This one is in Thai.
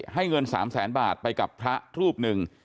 ให้เงิน๓แสนบาทไปกับพระรูปหนึ่ง